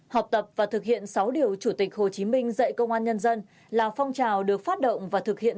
học tập và thực hiện sáu điều chủ tịch hồ chí minh dạy công an nhân dân là phong trào được phát động và thực hiện